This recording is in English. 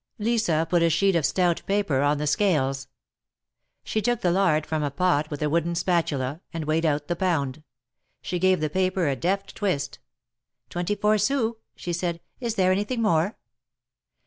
Lisa put a sheet of stout paper on the scales. She took the lard from a pot with a wooden spatula, and weighed out the pound. She gave the paper a deft twist. ^'Twenty four sous," she said. "Is there anything more?"